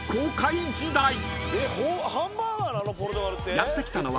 ［やって来たのは］